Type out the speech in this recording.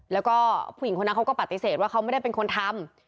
แล้วก็ผู้หญิงคนนั้นเขาก็ปฏิเสธว่าเขาไม่ได้เป็นคนทำ